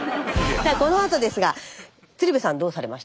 さあこのあとですが鶴瓶さんどうされました？